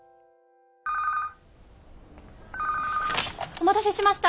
☎お待たせしました。